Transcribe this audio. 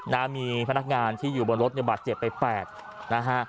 นามีพนักงานที่อยู่บนรถในบัตรเจ็บไป๘นะฮะ